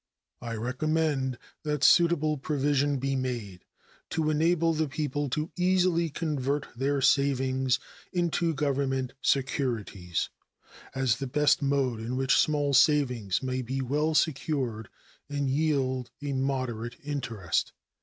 I recommended that suitable provision be made to enable the people to easily convert their savings into Government securities, as the best mode in which small savings may be well secured and yield a moderate interest.